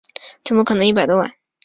怎么可能一百多万